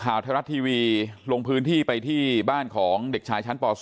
ข่าวไทยรัฐทีวีลงพื้นที่ไปที่บ้านของเด็กชายชั้นป๒